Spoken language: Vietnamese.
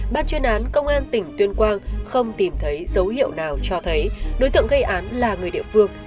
ban chuyên án công an tỉnh tuyên quang không tìm thấy dấu hiệu nào cho thấy đối tượng gây án là người địa phương